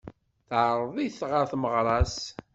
Teεreḍ-it ɣer tmeɣra-s.